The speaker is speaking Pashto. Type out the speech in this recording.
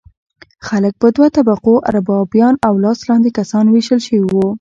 خلک په دوه طبقو اربابان او لاس لاندې کسان ویشل شوي وو.